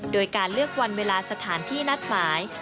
โดยการเลือกวันเวลาสถานที่นัดหมาย